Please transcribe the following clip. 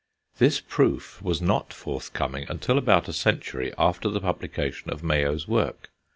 This proof was not forthcoming until about a century after the publication of Mayow's work.